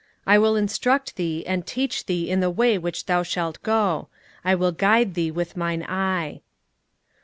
"I will instruct thee and teach thee in the way which thou shalt go. I will guide thee with Mine eye."